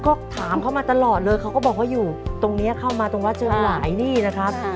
ก็ถามเขามาตลอดเลยเขาก็บอกว่าอยู่ตรงนี้เข้ามาตรงวัดเชิงหลายนี่นะครับ